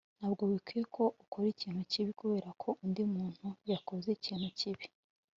ntabwo bikwiye ko ukora ikintu kibi kubera ko undi muntu yakoze ikintu kibi